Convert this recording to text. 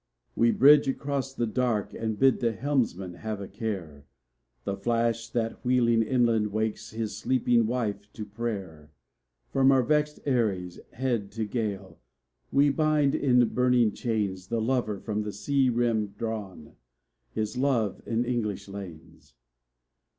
We bridge across the dark, and bid the helmsman have a care, The flash that wheeling inland wakes his sleeping wife to prayer; From our vexed eyries, head to gale, we bind in burning chains The lover from the sea rim drawn his love in English lanes.